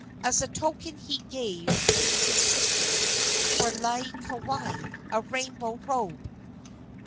As a token he gave to his sister for Laieikawai a rainbow robe.